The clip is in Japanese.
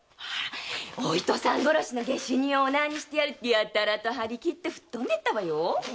「お糸さん殺しの下手人をお縄にしてやる」ってやたらと張り切って吹っ飛んでったわよ！